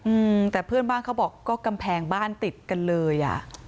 อืมแต่เพื่อนบ้านเขาบอกก็กำแพงบ้านติดกันเลยอ่ะ